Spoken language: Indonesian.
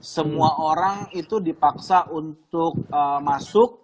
semua orang itu dipaksa untuk masuk